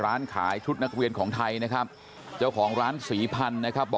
ร้านขายชุดนักเรียนของไทยนะครับเจ้าของร้านศรีพันธุ์นะครับบอก